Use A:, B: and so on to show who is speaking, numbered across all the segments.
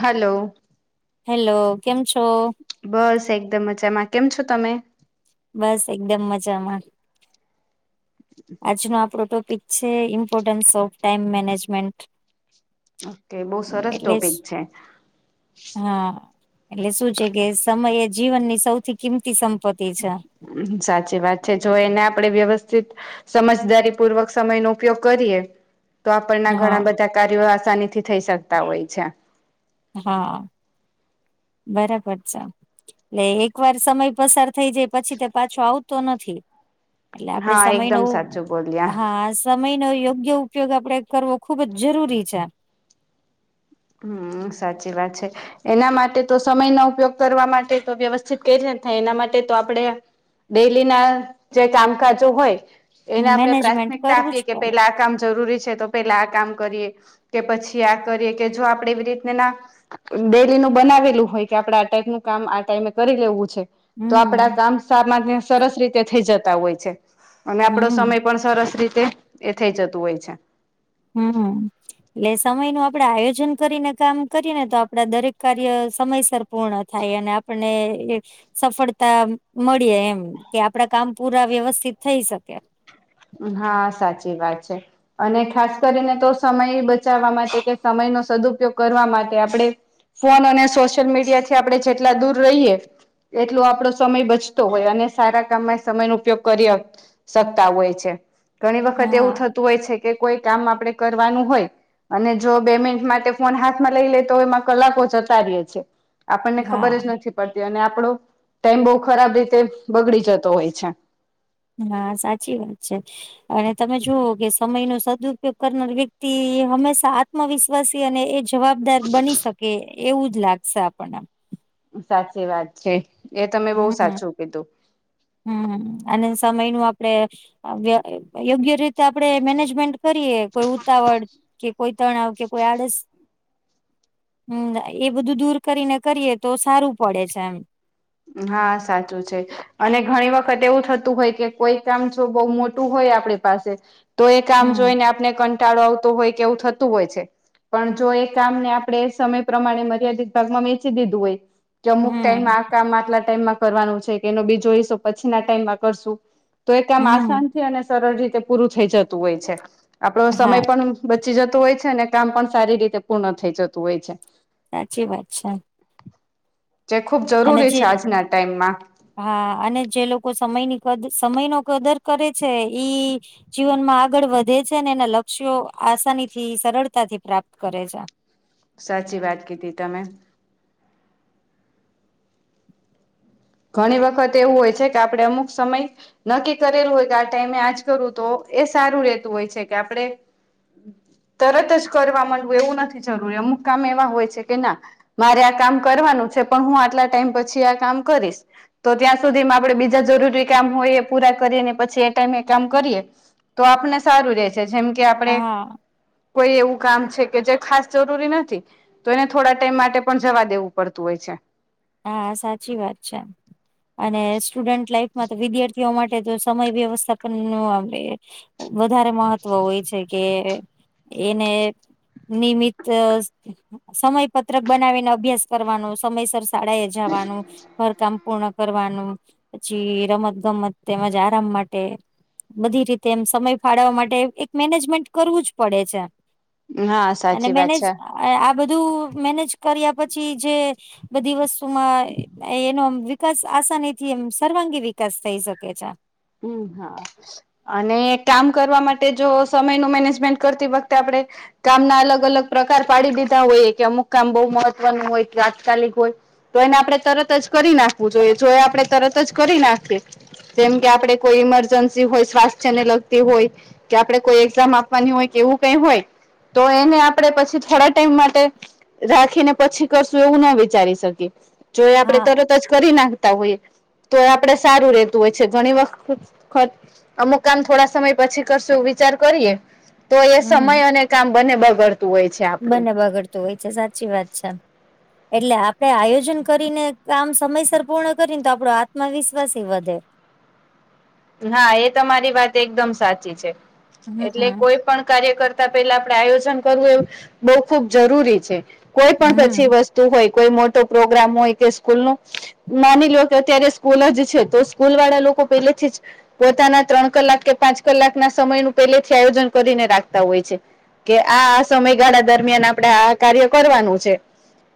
A: Hello
B: hello કેમ છો?
A: બસ એકદમ મજામાં. કેમ છો તમે?
B: બસ એકદમ મજામાં. આજનો આપણો ટોપિક છે importance of time management.
A: Okay બહુ સરસ
B: એટલે જ
A: ટોપિક છે.
B: હા એટલે શું છે કે સમય એ જીવનની સૌથી કિંમતી સંપત્તિ છે.
A: સાચી વાત છે જો એને આપડે વ્યવસ્થિત સમજદારી પૂર્વક સમયનો ઉપયોગ કરીએ. તો આપણના
B: હા
A: ઘણા બધા કાર્યો આસાની થી થઈ શકતા હોય છે.
B: હા બરાબર છે. એટલે એક વાર સમય પસાર થઈ જાય પછી તે પાછો આવતો નથી એટલે આપડે
A: હા
B: સમય નો
A: એકદમ સાચું બોલ્યા
B: હા સમય નો યોગ્ય ઉપયોગ આપડે કરવો ખુબ જ જરૂરી છે.
A: હમ્મ સાચી વાત છે એના માટે તો સમયનો ઉપયોગ કરવા માટે તો વ્યવસ્થિત કઈ રીતેના થાય એના માટે તો આપડે ડેલી ના જે ચામકાજો હોય એને આપણે
B: મેનેજમેન્ટ
A: પ્રાથમિકતા
B: કરવું જ
A: આપીએ કે
B: પડે
A: પેલા આ કામ જરૂરી છે તો પેલા આ કામ કરીએ કે પછી આ કરીએ કે જો આપડે એવી રીત ના ડેલી નું બનાવેલું હોય કે આપડે આ ટાઈપ નું કામ આ ટાઈમે કરી લેવું છે. તો આપડા
B: હમ
A: કામ સામાન્ય સરસ રીતે થઈ જતા હોય છે અને આપડો
B: હમ
A: સમય પણ સરસ રીતે એ થઈ જતું હોય છે.
B: હમ હમ. એટલે સમય નું આપડે આયોજન કરીને કામ કરીને તો આપડા દરેક કાર્ય સમયસર પૂર્ણ થાય અને આપને એ સફળતા મળીએ એમ કે આપડા કામ પુરા વ્યવસ્થિત થઈ શકે.
A: હા સાચી વાત છે. અને ખાસ કરીને તો સમય બચાવવા માટે કે સમયનો સદઉપયોગ કરવા માટે આપણે ફોન અને સોશિયલ મીડિયા થી આપડણે જેટલા દૂર રહીએ એટલો આપડો સમય બચતો હોય અને સારા કામમાં સમયનો ઉપયોગ કરી શકતા હોય છે. ઘણી વખત
B: હા
A: એવું થતું હોય છે કે કોઈ કામ આપડે કરવાનું હોય અને જો બે મિનિટ માટે ફોન હાથમાં લઈ લે તો એમાં કલાકો જતા રે છે. આપણને ખબર
B: હા
A: જ નથી પડતી અને આપણો ટાઈમ બહુ ખરાબ રીતે બગડી જતો હોય છે.
B: હા સાચી વાત છે. અને તમે જુઓ કે સમય નો સદઉપયોગ કરનાર વ્યક્તિ હંમેશા આત્મવિશ અને એ જવાબદાર બની શકે એવું જ લાગશે આપણને
A: સાચી વાત છે એ તમે બહુ સાચું કીધું
B: હમ હમ અને સમય નું આપડે યોગ્ય રીતે આપડે મેનેજમેન્ટ કરીએ કોઈ ઉતાવળ કે કોઈ તણાવ કે કોઈ આડસ હમ એ બધું દૂર કરીને કરીએ તો સારું પડે છે એમ
A: હા સાચું છે. અને ઘણી વખત એવું થતું હોય કે કોઈ કામ જો બહુ મોટું હોય આપણે પાસે તો એ કામ
B: હમ
A: જોઈને આપને કંટાળો આવતો હોય કે એવું થતું હોય છે. પણ જો એ કામ ને આપણે સમય પ્રમાણે મર્યાદિત ભાગમાં વેચી દીધું હોય કે અમુક
B: હમ
A: ટાઈમમાં આ કામ આટલા ટાઈમમાં કરવાનું છે કે એનો બીજો હિસ્સો પછી ના ટાઈમમાં કરશું. તો એ કામ
B: હમ
A: આસાન થી અને સરળ રીતે પૂરું થઈ જતું હોય છે આપણો
B: હા
A: સમય પણ બચી જતું હોય છે ને કામ પણ સારી રીતે પૂર્ણ થઈ જતું હોય છે.
B: સાચી વાત છે.
A: જે ખુબ
B: અને
A: જરૂરી
B: જે
A: છે આજના ટાઈમમાં
B: હા અને જે લોકો સમયની કદ સમય નો કદર કરે છે ઈ જીવનમાં આગળ વધે છે ને એના લક્ષ્યો આસાની થી સરળતાથી પ્રાપ્ત કરે છે.
A: સાચી વાત કીધી તમે ઘણી વખત એવું હોય છે કે આપડણે અમુક સમય નકી કરેલું હોય કે આ ટાઈમે આજ કરું તો એ સારું રેતું હોય છે કે આપડણે તરત જ કરવા માંડવું એવું નથી જરૂરી અમુક કામ એવા હોય છે કે ના મારે આ કામ કરવાનું છે પણ હું આટલા ટાઈમ પછી આ કામ કરીશ. તો ત્યાં સુધીમાં આપણેે બીજા જરૂરી કામ હોય એ પૂરા કરીએને પછી એ ટાઈમે એ કામ કરીએ. તો આપને સારું રે છે જેમ કે આપણેે
B: હા
A: કોઈ એવું કામ છે કે જે ખાસ જરૂરી નથી તો એને થોડા ટાઈમ માટે પણ જવા દેવું પડતું હોય છે.
B: હા સાચી વાત છે. અને સ્ટુડન્ટ લાઈફમાં તો વિદ્યાર્થીઓ માટે તો સમય વ્યવસ્થા પણ નો આવે. વધારે મહત્વ હોય છે કે એને નિમિત્ સમય પત્રક બનાવીને અભ્યાસ કરવાનો સમયસર શાળા એ જવાનું ઘર કામ પૂર્ણ કરવાનું પછી રમત ગમત તેમજ આરામ માટે બધી રીતે એમ સમય ફાળવવા માટે એક મેનેજમેન્ટ કરવું જ પડે છે.
A: હા
B: અને
A: સાચી વાત
B: મેનેજ
A: છે
B: આ બધું મેનેજ કર્યા પછી જે બધી વસ્તુ માં એનોમ વિકાસ આસાનીથી એમ સર્વાંગી વિકાસ થઈ શકે છે.
A: હમ હા અને કામ કરવા માટે જો સમયનું મેનેજમેન્ટ કરતી વખતે આપણે કામ ના અલગ અલગ પ્રકાર પાડી દીધા હોય કે અમુક કામ બહુ મહત્વનું હોય કે તાત્કાલિક હોય તો એને આપણે તરત જ કરી નાખવું જોઈએ જો એ આપણે તરત જ કરી નાખીએ તેમ કે આપે કોઈ ઈમરજન્સી હોય સ્વાસ્થ્ય ને લગતી હોય કે આપડે કોઈ એક્ઝામ આપવાની હોય કે એવું કઈ હોય તો એને આપણે પછી થોડા ટાઈમ માટે રાખીને પછી કરશું એવું ના વિચારી શકી જો એ આપણે
B: હા
A: તરત જ કરી નાખતા હોઈએ તો આપડે સારું રેતું હોય છે. ઘણી વખત ખત અમુક કામ થોડા સમય પછી કરશું વિચાર કરીએ. તો એ
B: હમ
A: સમય અને કામ બને બગડતું હોય છે આપડું
B: તો હોય છે સાચી વાત છે એટલે આપણે આયોજન કરીને કામ સમયસર પૂર્ણ કરીને તો આપડો આત્મવિશ્વાસ એ વધે
A: હા એ તમારી વાત એકદમ સાચી છે એટલે
B: હમ
A: કોઈ પણ કાર્ય કર તા પેલા આપડે આયોજન કરવું એ બહુ ખુબ જરૂરી છે કોઈ પણ પછી
B: હમ
A: વસ્તુ તુ હોય કોઈ મોટો પ્રોગ્રામ હોય કે સ્કૂલ નું માની લો કે અત્યારે સ્કૂલ જ છે તો સ્કૂલ વાળા લોકો પેલેથી જ પોતાના ત્રણ કલાક કે પાંચ કલાક ના સમય નું પહેલેથી આયોજન કરીને રાખતા હોય છે. કે આ સમયગાળા દરમિયાન આપણે આ કાર્ય કરવાનું છે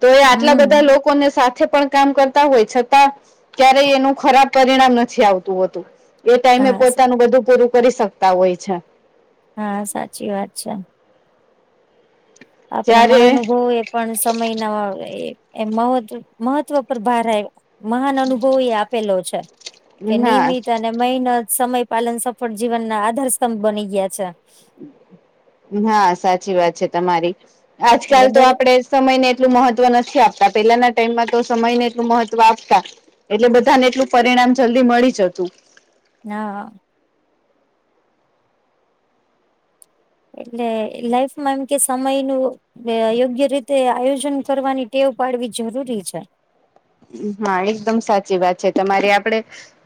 A: તો એ આટલા બધા
B: હમ
A: લોકો લોકોને સાથે પણ કામ કરતા હોય છતાં ક્યારેય એનું ખરાબ પરિણામ નથી આવતું હોતું. એ ટાઈમે
B: હા
A: પોતાનું બધું પૂરું કરી શકતા હોય છે.
B: હા સાચી વાત છે. આપણા
A: જ્યારે
B: મહાઅનુભવે પણ સમયના એ મહ મહત્વ પર ભાર આવ્યા મહાન અનુભવ એ આપેલો છે કે
A: હા
B: નિયમિત અને ને મહેનત સમય પાલન સફળ જીવન ના આધારસ્તંભ બની ગયા છે.
A: હા સાચી વાત છે તમારી આજકાલ
B: એટલે
A: તો
B: દરે
A: આપડે સમય ને એટલું મહત્વ નથી આપતા પેલાના ટાઈમમાં તો સમય ને એટલું મહત્વ આપતા એટલે બધાને એટલું પરિણામ જલ્દી મળી જતું.
B: હા હા એટલે લાઈફમાં એમ કે સમય નું એ યોગ્ય રીતે આયોજન કરવાની ટેવ પાડવી જરૂરી છે.
A: હા એકદમ સાચી વાત છે તમારી આપડે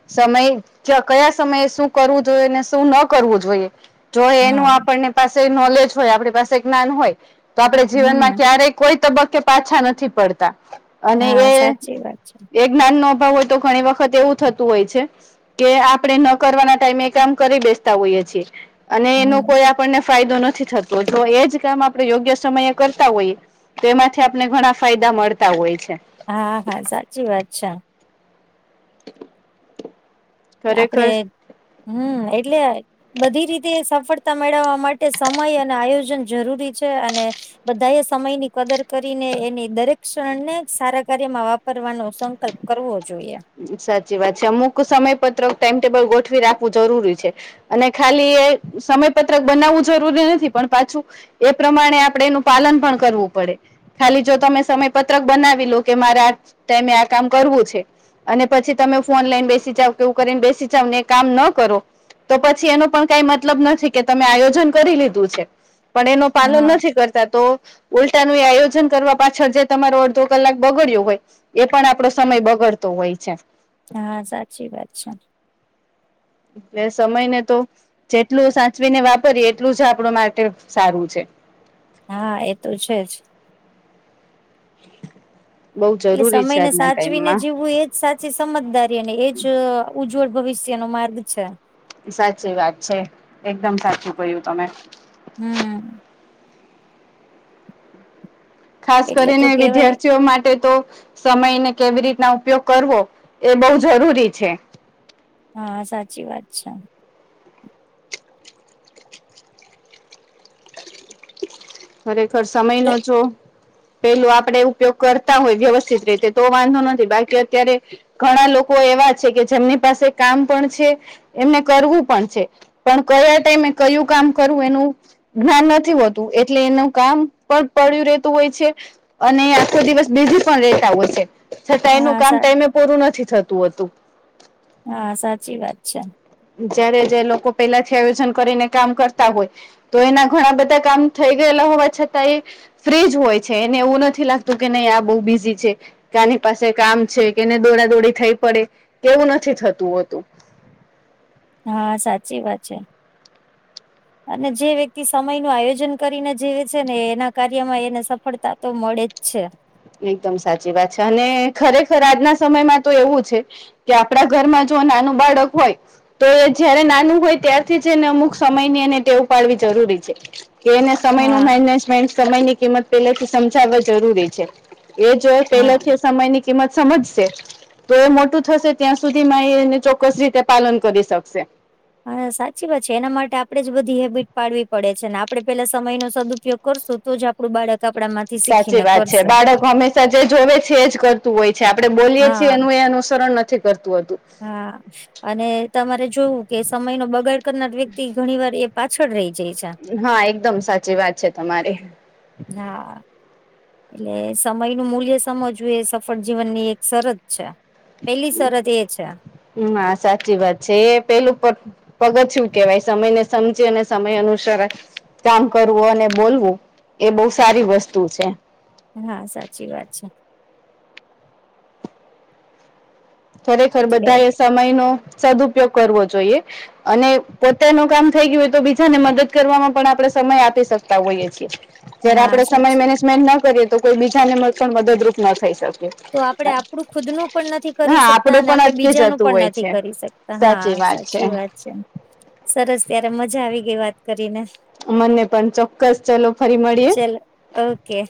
A: સમય ચ કયા સમયે શું કરવું જોઈએ ને શું ન કરવું જોઈએ. જો એનું
B: હા
A: આપણને પાસે નોલેજ હોય આપણી પાસે જ્ઞાન હોય તો આપણે જીવનમાં
B: હમ
A: ક્યારેક કોઈ તબક્કે પાછા નથી પડતા અને એ
B: એ વાત છે.
A: એ જ્ઞાન નો અભાવ હોય તો ઘણી વખત એવું થતું હોય છે. કે આપણે ન કરવાના ટાઈમે એ કામ કરી બેસતા હોઈએ છીએ અને એનું
B: હમ
A: કોઈ આપણને ફાયદો નથી થતો જો એ જ કામ આપણેે યોગ્ય સમયે કરતા હોઈએ. તો એમાંથી આપને ઘણા ફાયદા મળતા હોય છે.
B: હા હા સાચી વાત છે.
A: [inaudible]
B: આપડે હમ્મ એટલે બધી રીતે સફળતા મેળવવા માટે સમય અને આયોજન જરૂરી છે અને બધા એ સમયની કદર કરીને એની દરેક ક્ષણને સારા કાર્યમાં વાપ રવાનો સંકલ્પ કરવો જોઈએ.
A: સાચી વાત છે અમુક સમયપત્રક ટાઈમટેબલ ગોઠવી રાખવું જરૂરી છે. અને ખાલી એ સમયપત્રક બનાવવું જરૂરી નથી પણ પાછું એ પ્રમાણે આપણે એનું પાલન પણ કરવું પડે. ખાલી જો તમે સમયપત્રક બનાવી લો કે મારે આ ટાઈમે આ કામ કરવું છે અને પછી તમે ફોન લઈને બેસી જાવ કે એવું કરીને બેસી જાવ ને કામ ન કરો તો પછી એનો પણ કઈ મતલબ નથી કે તમે આયોજન કરી લીધું છે પણ એનો પાલન
B: હા
A: નથી કરતા તો ઉલટાનું એ આયોજન કરવા પાછળ જે તમારો અડધો કલાક બગડ્યો હોય એ પણ આપડો સમય બગડતો હોય છે.
B: હા સાચી વાત છે.
A: ને સમયને તો જેટલું સાચવીને વાપરીએ એટલું જ આપડુ માટે સારું છે.
B: હા એ તો છે જ
A: બઉ
B: એટલે
A: જરૂરી છે
B: સમયને
A: આજના
B: સાચવીને
A: ટાઈમમાં
B: જીવવું એજ સાચી સમજદારી અને એજ ઉજ્જવળ ભવિષ્ય નો માર્ગ છે
A: સાચી વાત છે એકદમ સાચું ક્યું તમે
B: હમ્મ
A: ખાસ
B: એટલે
A: કરીને
B: તો કેવાય
A: વિદ્યાર્થીઓ માટે તો સમયને કેવી રીતના ઉપયોગ કરવો એ બહુ જરૂરી છે.
B: હા સાચી વાત છે.
A: ખરેખર સમય નો જો પેલું આપણે ઉપયોગ કરતા હોય વ્યવસ્થિત રીતે તો વાંધો નથી બાકી અત્યારે ઘણા લોકો એવા છે કે જેમની પાસે કામ પણ છે એમને કરવું પણ છે પણ કયા ટાઈમે કયું કામ કરવું એનું જ્ઞાન નથી હોતું એટલે એનું કામ પણ પડ્યું રહેતું હોય છે. અને આખો દિવસ બીઝી પણ રહેતા હોય છે છતાં એનું
B: હા
A: કામ
B: સા
A: ટાઈમે પૂરું નથી થતું હોતું.
B: હા સાચી વાત છે.
A: જયારે જે લોકો પેલા થી આયોજન કરીને કામ કરતા હોય તો એના ઘણા બધા કામ થઈ ગયેલા હોવા છતાં એ ફ્રીજ હોય છે એને એવું નથી લાગતું કે નહી આ બહુ બિઝી છે. આની પાસે કામ છે કેને દોડાદોડી થઈ પડે કેવું નથી થતું હોતું.
B: હા સાચી વાત છે. અને જે વ્યક્તિ સમય નું આયોજન કરીને જીવે છે ને એના કાર્યમાં એને સફળતા તો મળે જ છે.
A: એકદમ સાચી વાત છે અને ખરેખર આજના સમયમાં તો એવું છે કે આપણા ઘરમાં જો નાનું બાળક હોય તો એ જયારે નાનું હોય ત્યારથી જ એને અમુક સમય ની એને ટેવ પાડવી જરૂરી છે. કે એને સમયનું
B: હા
A: મેનેજમેન્ટ સમયની કિંમત પેલેથી સમજાવવા જરૂરી છે. એ જો
B: હા
A: પેલાથી સમય ની કિંમત સમજશે તો એ મોટું થશે ત્યાં સુધી મા એ એને ચોક્કસ રીતે પાલન કરી શકશે.
B: હા સાચી વાત છે એના માટે આપડે જ બધી હેબિટ પાડવી પડે છે અને આપડે પેલા સમયનો સદઉપયોગ કરશું તો જ આપડું બાળક આપણા માંથી શીખીને કરશે.
A: તે જે જોવે છે એ જ કરતું હોય છે આપડણે બોલીએ છીએ
B: હા
A: એનું એ અનુસરણ નથી કરતું હોતું.
B: હા. અને તમારે જોયું કે સમય નો બગાડ કરનાર વ્યક્તિ ઘણી વાર એ પાછળ રહી જાય છે.
A: હા એકદમ સાચી વાત છે તમારી
B: હા. એટલે સમય નું મૂલ્ય સમજવું એ સફળ જીવન ની એક શરત છે. પહેલી શરત એ છે.
A: હા સાચી વાત છે એ પહેલું પણ પગથીયું કેવાય સમયને સમજે અને સમય અનુસર કામ કરવું અને બોલવું એ બહુ સારી વસ્તુ છે.
B: હા સાચી વાત છે.
A: ખરેખર
B: એટલે
A: બધા એ સમય નો સદઉપયોગ કરવો જોઈએ. અને પોતાનું કામ થઈ ગયું હોય તો બીજાને મદદ કરવાવામાં પણ આપણે સમય આપી શકતા હોઈએ છીએ. જયારે
B: હા
A: આપણેે સમય
B: સાચી
A: મેનેજમેન્ટ ના કરીએ તો કોઈ બીજાને પણ મદદરૂપ ન થઈ શકે.
B: તો આપડે આપણું ખુદ નું પણ નથી કરી
A: હા
B: શકતા
A: આપડું
B: અને
A: પણ
B: આપડે
A: અટકી
B: બીજાનું
A: જતું
B: પણ
A: હોય
B: નથી
A: છે
B: કરી શકતા હા
A: સાચી વાત
B: સાચી વાત છે. સરસ ત્યારે મજા આવી ગઈ વાત કરીને
A: મને પણ ચોક્કસ ચલો ફરી મળીએે.
B: ચલો ઓકે.